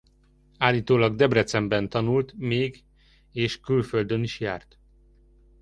Állítólag Debrecenben tanult még és külföldön is járt.